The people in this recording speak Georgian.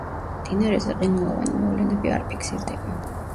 მდინარეზე ყინულოვანი მოვლენები არ ფიქსირდება.